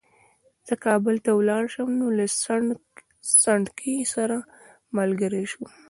زه کابل ته ولاړ شم نو له سنډکي سره ملګری شوم.